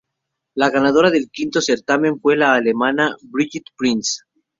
La ganadora del quinto certamen fue la alemana Birgit Prinz.